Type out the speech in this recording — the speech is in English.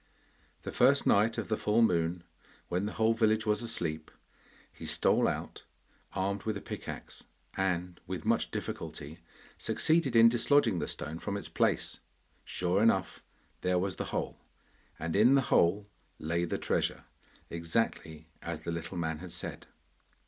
The first night of the full moon, when the whole village was asleep, he stole out, armed with a pickaxe, and with much difficulty succeeded in dislodging the stone from its place. Sure enough, there was the hole, and in the hole lay the treasure, exactly as the little man had said.